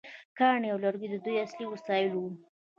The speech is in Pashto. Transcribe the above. کاڼي او لرګي د دوی اصلي وسایل وو.